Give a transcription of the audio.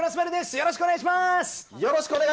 よろしくお願いします。